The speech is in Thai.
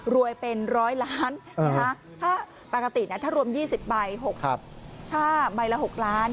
รวยเป็นร้อยล้านถ้ารวม๒๐ใบถ้าใบละ๖ล้าน